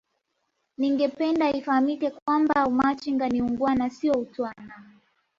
ningependa ifahamike kwamba Umachinga ni uungwana sio utwana